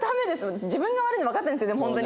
私自分が悪いのわかってるんですホントに。